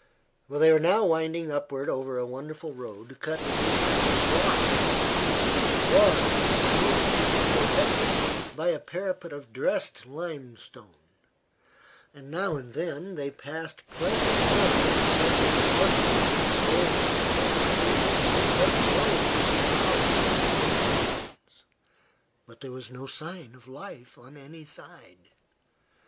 They were now winding upward over a wonderful road cut in the solid rock. It was broad and smooth and protected by a parapet of dressed limestone. Now and then they passed pleasant villas set in orchards of golden oranges or groves of olives and almonds; but there was no sign of life on any side.